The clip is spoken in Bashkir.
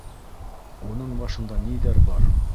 Уның башында ниҙәр бар?